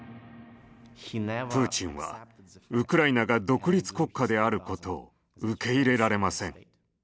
プーチンはウクライナが独立国家であることを受け入れられません。